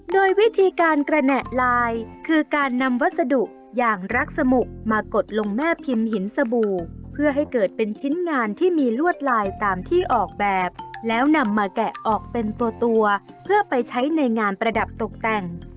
โดยวิธีการกระแหน่ลายคือการนำวัสดุอย่างรักสมุกมากดลงแม่พิมพ์หินสบู่เพื่อให้เกิดเป็นชิ้นงานที่มีลวดลายตามที่ออกแบบแล้วนำมาแกะออกเป็นตัวเพื่อไปใช้ในงานประดับตกแต่ง